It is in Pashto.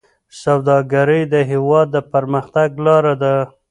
سوداګري د هېواد د پرمختګ لاره ده.